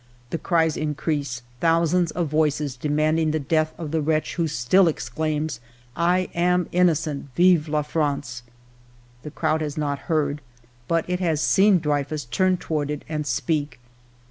The cries increase, thousands of voices demanding the death of the wretch, who still exclaims :' I am innocent ! Vive la France !'" The crowd has not heard, but it has seen Dreyfus turn toward it and speak.